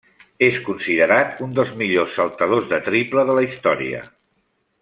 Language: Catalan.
És considerat un dels millors saltadors de triple de la història.